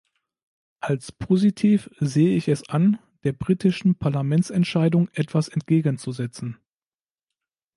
Als positiv sehe ich es an, der britischen Parlamentsentscheidung etwas entgegenzusetzen.